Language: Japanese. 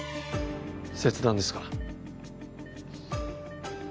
切断ですか？